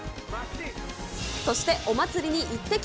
そしてお祭りにイッテＱ！